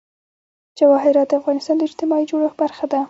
جواهرات د افغانستان د اجتماعي جوړښت برخه ده.